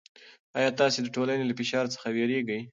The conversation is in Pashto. آیا تاسې د ټولنې له فشار څخه وېرېږئ؟